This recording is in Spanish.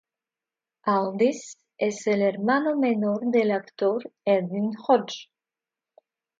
Aldis es el hermano menor del actor Edwin Hodge.